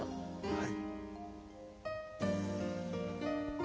はい。